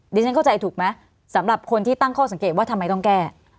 ฉันเข้าใจถูกไหมสำหรับคนที่ตั้งข้อสังเกตว่าทำไมต้องแก้